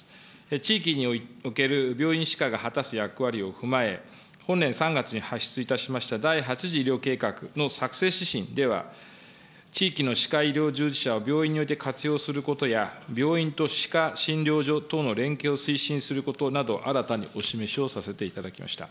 地域における病院歯科が果たす役割を踏まえ、本年３月に発出いたしました第８次医療計画の作成指針では、地域の歯科医療従事者を病院において活用することや、病院と歯科診療所との連携を推進することなど、新たにお示しをさせていただきました。